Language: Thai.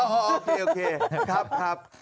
โอ้โหโอเคโอเคครับครับ